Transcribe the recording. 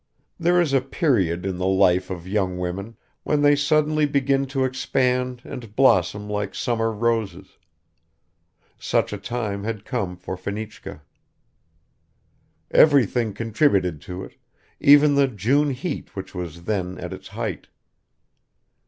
There is a period in the life of young women when they suddenly begin to expand and blossom like summer roses; such a time had come for Fenichka. Everything contributed to it, even the June heat which was then at its height.